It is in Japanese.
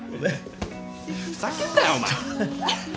フフふざけんなよお前。